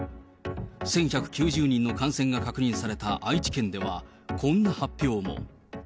１１９０人の感染が確認された愛知県では、こんな発表も。